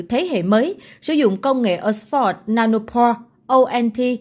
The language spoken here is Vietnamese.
thế hệ mới sử dụng công nghệ osport nanopore ont